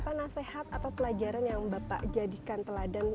apa nasihat atau pelajaran yang bapak jadikan teladan